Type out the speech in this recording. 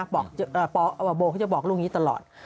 บอกโบเขาจะบอกลูกนี้ตลอด